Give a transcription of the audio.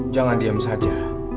jangan diam saja